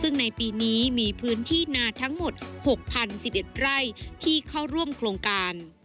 ในปีนี้มีพื้นที่นาทั้งหมด๖๐๐๐สิทธิ์ใด้ที่เข้าร่วมโครงการ